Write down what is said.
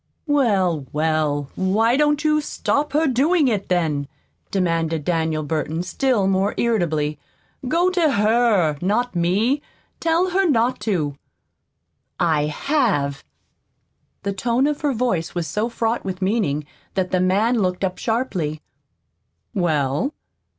"Well, well, why don't you stop her doing it, then?" demanded Daniel Burton, still more irritably. "Go to HER, not me. Tell her not to." "I have." The tone of her voice was so fraught with meaning that the man looked up sharply. "Well?"